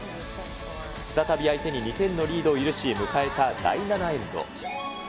再び相手に２点のリードを許し、迎えた第７エンド。